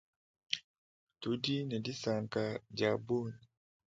Tudi ne disanka diabunyi.